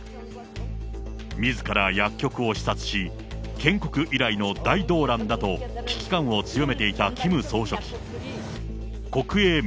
みずから薬局を視察し、建国以来の大動乱だと、危機感を強めていたキム総書記。